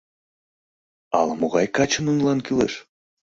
Ала-могай каче нунылан кӱлеш?